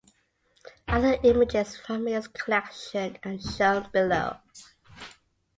Other images from his collection are shown below.